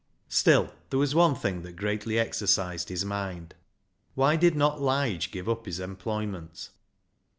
Still, there was one thing that greatly exercised his mind. Why did not Lige give up his employment?